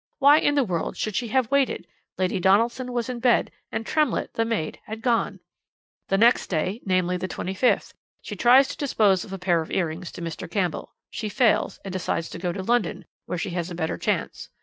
Why in the world should she have waited? Lady Donaldson was in bed, and Tremlett, the maid, had gone. "The next day namely, the 25th she tries to dispose of a pair of earrings to Mr. Campbell; she fails, and decides to go to London, where she has a better chance.